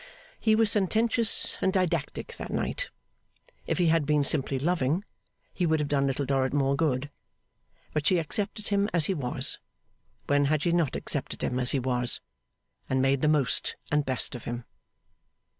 He was sententious and didactic that night. If he had been simply loving, he would have done Little Dorrit more good; but she accepted him as he was when had she not accepted him as he was! and made the most and best of him.